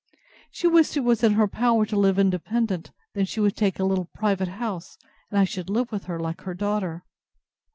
She wished it was in her power to live independent; then she would take a little private house, and I should live with her like her daughter.